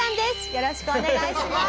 よろしくお願いします。